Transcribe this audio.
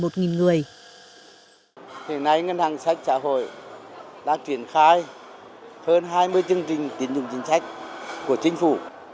thời nay ngân hàng chính sách xã hội đã triển khai hơn hai mươi chương trình tín dụng chính sách của chính phủ